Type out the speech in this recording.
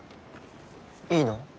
いいの？